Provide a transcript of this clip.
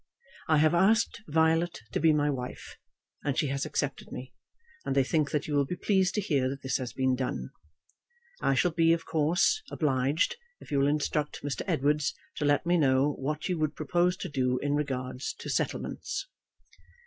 I have asked Violet to be my wife, and she has accepted me, and they think that you will be pleased to hear that this has been done. I shall be, of course, obliged, if you will instruct Mr. Edwards to let me know what you would propose to do in regard to settlements.